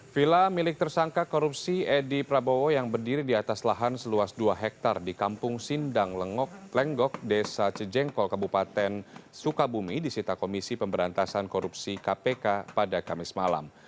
vila milik tersangka korupsi edi prabowo yang berdiri di atas lahan seluas dua hektare di kampung sindang lengok lenggok desa cijengkol kabupaten sukabumi disita komisi pemberantasan korupsi kpk pada kamis malam